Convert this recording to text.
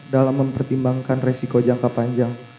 dalam mempertimbangkan resiko jangka panjang